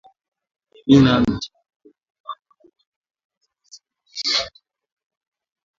mimina mchanganyiko wako wa keki ya viazi kwenye sufuria na oka